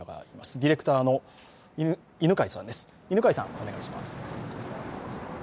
ディレクターの犬飼さん、お願いします。